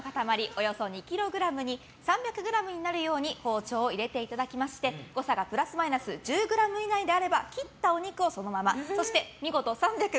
およそ２ｋｇに３００ｇになるように包丁を入れていただきまして誤差がプラスマイナス１０ｇ以内であれば切ったお肉をそのままそして見事３００